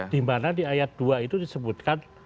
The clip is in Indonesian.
dimana di ayat dua itu disebutkan